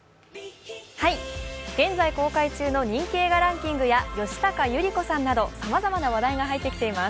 現在公開中の人気映画ランキングや吉高由里子さんなどさまざまな話題が入ってきています。